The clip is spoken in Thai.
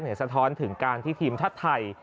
สะท้อนถึงการที่ทีมชาติไทย